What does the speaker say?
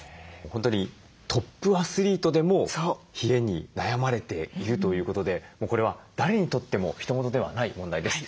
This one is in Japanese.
本当にトップアスリートでも冷えに悩まれているということでもうこれは誰にとってもひと事ではない問題です。